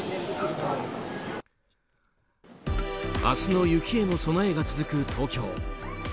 明日の雪への備えが続く東京。